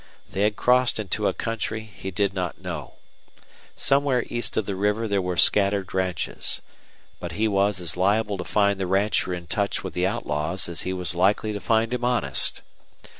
They had crossed into a country he did not know. Somewhere east of the river there were scattered ranches. But he was as liable to find the rancher in touch with the outlaws as he was likely to find him honest.